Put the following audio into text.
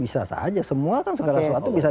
bisa saja semua kan segala sesuatu bisa